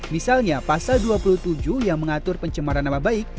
misalnya pasal dua puluh tujuh yang mengatur pencemaran nama baik